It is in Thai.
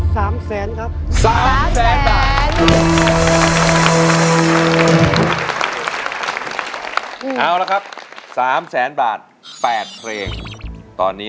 ๓แสนครับ๓แสนนะเอาแล้วครับ๓แสนบาท๘เพลงตอนนี้